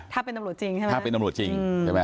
ถ้าเป็นอำรุษจริงใช่ไหมถ้าเป็นอำรุษจริง